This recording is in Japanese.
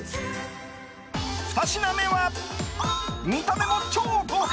２品目は見た目も超豪華！